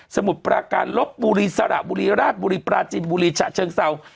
มุดปราการลบบุรีสระบุรีราชบุรีปราจินบุรีฉะเชิงเศร้า